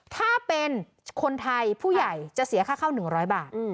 ถ้าเป็นคนไทยผู้ใหญ่จะเสียค่าเข้า๑๐๐บาท